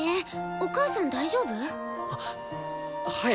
お母さん大丈夫？ははい。